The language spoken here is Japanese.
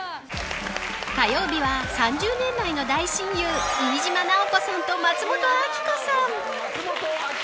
火曜日は、３０年来の大親友飯島直子さんと、松本明子さん。